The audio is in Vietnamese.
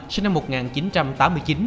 sinh năm một nghìn chín trăm tám mươi chín